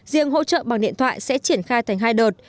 riêng hỗ trợ bằng điện thoại sẽ triển khai thành hai đợt